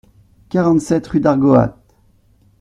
quarante-sept rue d'Argoat